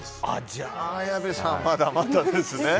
じゃあ綾部さんはまだまだですね。